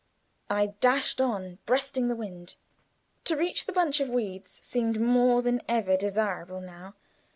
I dashed on, breasting the wind. To reach the bunch of reeds seemed more than ever desirable now.